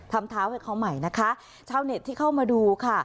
เท้าให้เขาใหม่นะคะชาวเน็ตที่เข้ามาดูค่ะ